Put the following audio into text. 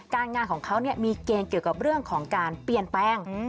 งานของเขามีเกณฑ์เกี่ยวกับเรื่องของการเปลี่ยนแปลง